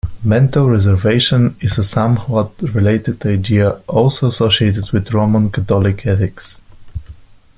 Mental reservation is a somewhat related idea also associated with Roman Catholic ethics.